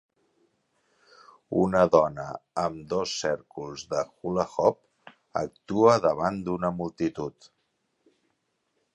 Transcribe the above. Una dona amb dos cèrcols de "hula hoop" actua davant d'una multitud.